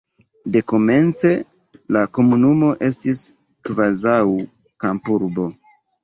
Dekomence la komunumo estis kvazaŭ kampurbo.